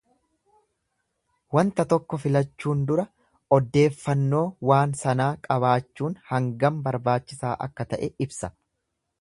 Wanta tokko filachuun dura oddeeffannoo waan sanaa qabaachuun hangam barbaachisaa akka ta'e ibsa.